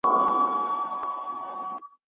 پخواني تنظيمونه تر اوسنيو هغو زيات احساساتي وو.